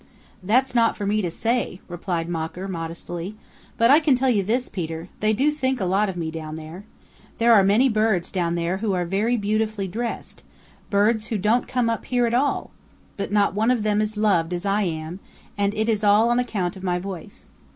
"That's not for me to say," replied Mocker modestly. "But I can tell you this, Peter, they do think a lot of me down there. There are many birds down there who are very beautifully dressed, birds who don't come up here at all. But not one of them is loved as I am, and it is all on account of my voice.